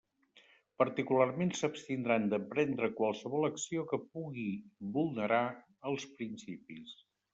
Particularment s'abstindran d'emprendre qualsevol acció que pugui vulnerar els principis.